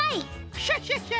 クシャシャシャ！